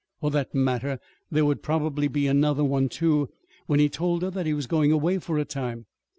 For that matter, there would probably be another one, too, when he told her that he was going away for a time.